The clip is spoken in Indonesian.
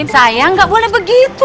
saya ga boleh begitu